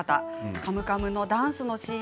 「カムカム」のダンスのシーン